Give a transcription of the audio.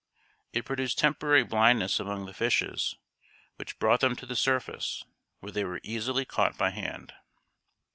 It produced temporary blindness among the fishes, which brought them to the surface, where they were easily caught by hand.